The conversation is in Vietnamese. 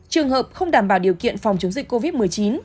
trường hợp không đảm bảo điều kiện phòng chống dịch covid một mươi chín